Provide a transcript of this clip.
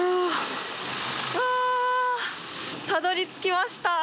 うわたどり着きました！